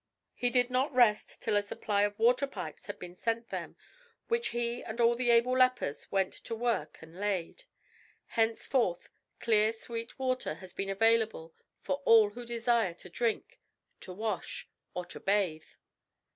He did not rest till a supply of waterpipes had been sent them, which he and all the able lepers went to work and laid. Henceforth clear sweet water has been available for all who desire to drink, to wash, or to bathe.